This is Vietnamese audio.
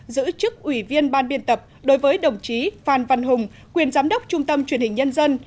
giữ chức ủy viên ban biên tập đối với đồng chí phan văn hùng quyền giám đốc trung tâm truyền hình nhân dân